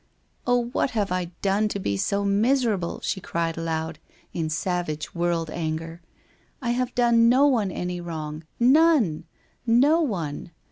' Oh, what have I done to be so miserable ?' she cried aloud, in savage world anger. ' I have done no one any wrong. None. No one.